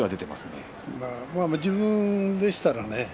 自分でしたらね